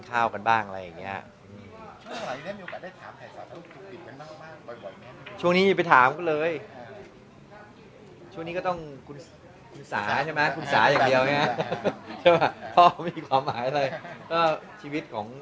ครึ่งปีหน้าคือต้องมาแล้วละใช้มั้ยค่ะ